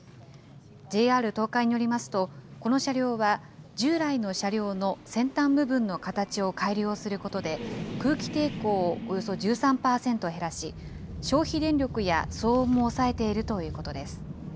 ＪＲ東海によりますと、この車両は、従来の車両の先端部分の形を改良することで、空気抵抗をおよそ１３％減らし、消費電力や騒音も抑えているということです。